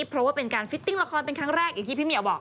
เพราะว่าเป็นการฟิตติ้งละครเป็นครั้งแรกอย่างที่พี่เหมียวบอก